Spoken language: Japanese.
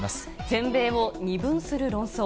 全米を二分する論争。